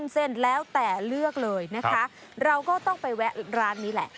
เส้นแล้วแต่เลือกเลยนะคะเราก็ต้องไปแวะร้านนี้แหละ